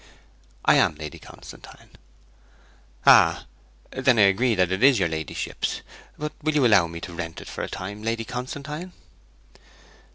'I am Lady Constantine.' 'Ah, then I agree that it is your ladyship's. But will you allow me to rent it of you for a time, Lady Constantine?'